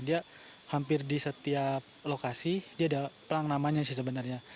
dia hampir di setiap lokasi dia ada pelang namanya sih sebenarnya